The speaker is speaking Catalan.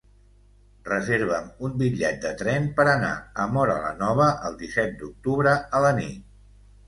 Reserva'm un bitllet de tren per anar a Móra la Nova el disset d'octubre a la nit.